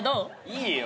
いいよ。